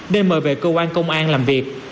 nên mời về cơ quan công an làm việc